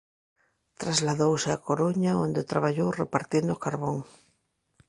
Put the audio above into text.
Trasladouse á Coruña onde traballou repartindo carbón.